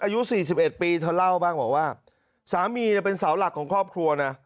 อายุสี่สิบเอ็ดปีเธอเล่าบ้างบอกว่าสามีน่ะเป็นเสาหลักของครอบครัวน่ะ